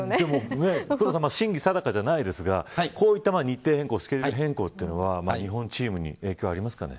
真偽は定かじゃないですがこういった日程変更スケジュール変更というのは日本チームに影響はありますかね。